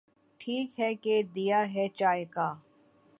ٹھیک ہے کہ دیا ہے چائے کا۔۔۔